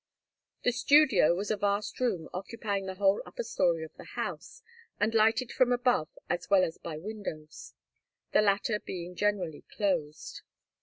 The studio was a vast room occupying the whole upper story of the house, and lighted from above as well as by windows, the latter being generally closed.